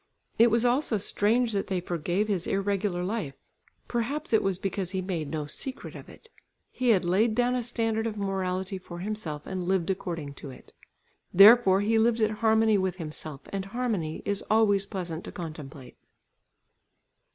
It was also strange, that they forgave his irregular life; perhaps it was because he made no secret of it. He had laid down a standard of morality for himself and lived according to it. Therefore he lived at harmony with himself, and harmony is always pleasant to contemplate.